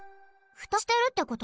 フタをしてるってこと？